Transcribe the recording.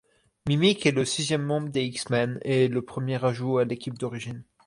Mimic est le sixième membre des X-Men, et le premier ajout à l'équipe d'origine.